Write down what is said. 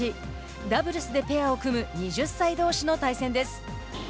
ダブルスでペアを組む２０歳どうしの対戦です。